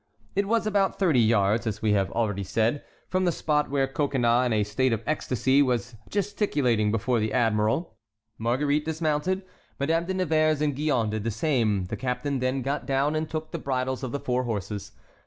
It was about thirty yards, as we have already said, from the spot where Coconnas in a state of ecstasy was gesticulating before the admiral. Marguerite dismounted, Madame de Nevers and Gillonne did the same; the captain then got down and took the bridles of the four horses.